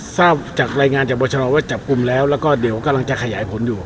ทราบจากรายงานจากบรชนว่าจับกลุ่มแล้วแล้วก็เดี๋ยวกำลังจะขยายผลอยู่